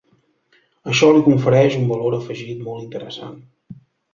Això li confereix un valor afegit molt interessant.